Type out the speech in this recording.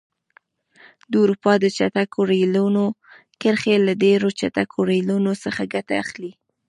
د اروپا د چټکو ریلونو کرښې له ډېرو چټکو ریلونو څخه ګټه اخلي.